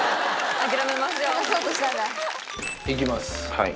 はい。